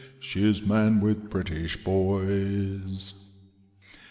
She's manned with British hoys.